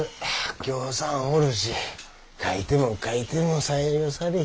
ぎょうさんおるし書いても書いても採用されへんし。